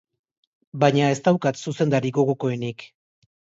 Baina ez daukat zuzendari gogokoenik.